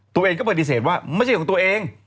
ตัวเองก็ปฏิเสธว่าไม่ใช่ของตัวเอง